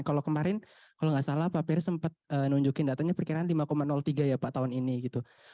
kalau kemarin kalau nggak salah pak peri sempat nunjukin datanya perkiraan lima tiga ya pak tahun ini gitu